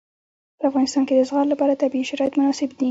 په افغانستان کې د زغال لپاره طبیعي شرایط مناسب دي.